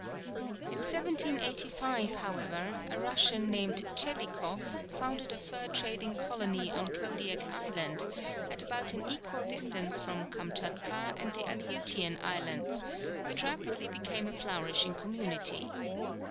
In 1785, however, a Russian named Chelikoff founded a fur trading colony on Kodiak Island, at about an equal distance from Kamtchatka and the Aleutian Islands, which rapidly became a flourishing community.